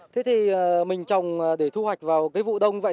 thế thì mình trồng để thu hoạch vào cái vụ đông vậy